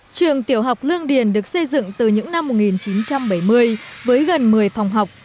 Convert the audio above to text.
trường tiểu học lương điền được xây dựng từ những năm một nghìn chín trăm bảy mươi với gần một mươi phòng học